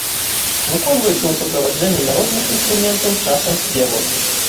Выконваецца ў суправаджэнні народных інструментаў, часам спеваў.